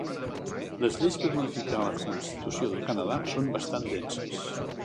Les lleis per modificar la constitució del Canadà són bastant denses.